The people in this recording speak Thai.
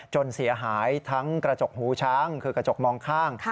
เสียหายทั้งกระจกหูช้างคือกระจกมองข้าง